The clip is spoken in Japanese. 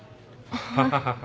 ハハハハ。